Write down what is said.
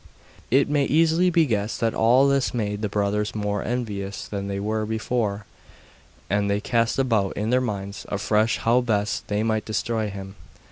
It may easily be guessed that all this made the brothers more envious than they were before; and they cast about in their minds afresh how best they might destroy him.